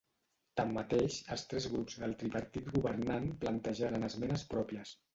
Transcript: Tanmateix, els tres grups del tripartit governant plantejaren esmenes pròpies.